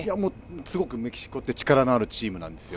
すごくメキシコって力のあるチームなんですよ。